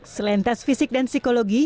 selain tes fisik dan psikologi